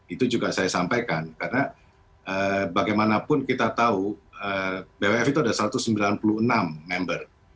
itu juga saya sampaikan karena bagaimanapun kita tahu bwf itu ada satu ratus sembilan puluh enam member